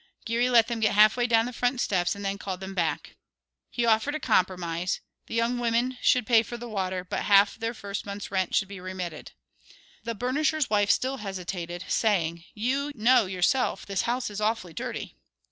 Geary let them get half way down the front steps and then called them back. He offered a compromise, the young women should pay for the water, but half of their first month's rent should be remitted. The burnisher's wife still hesitated, saying, "You know yourself this house is awfully dirty."